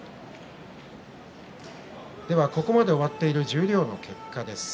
ここまで終わっている十両の結果です。